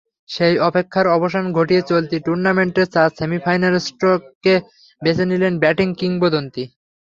সেই অপেক্ষার অবসান ঘটিয়ে চলতি টুর্নামেন্টের চার সেমিফাইনালস্টকে বেছে নিলেন ব্যাটিং কিংবদন্তি।